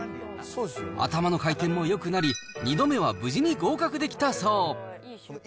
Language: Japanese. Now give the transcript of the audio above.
頭の回転もよくなり、２度目は無事に合格できたそう。